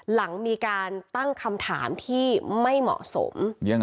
หลังมีการตั้งคำถามที่ไม่เหมาะสม